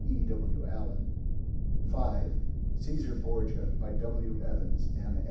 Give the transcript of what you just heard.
(E. W. Allen.) (5) Caesar Borgia. By W. Evans, M.